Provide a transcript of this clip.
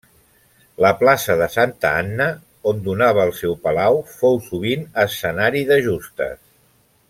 La plaça de Santa Anna, on donava el seu palau, fou sovint escenari de justes.